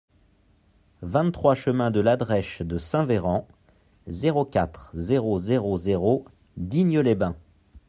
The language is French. vingt-trois chemin de L'Adrech de Saint-Véran, zéro quatre, zéro zéro zéro Digne-les-Bains